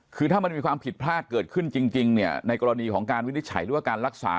คือถ้ามันมีความผิดพลาดเกิดขึ้นจริงเนี่ยในกรณีของการวินิจฉัยหรือว่าการรักษา